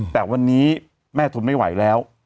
แต่วันนี้แม่ทนไม่ไหวแล้ว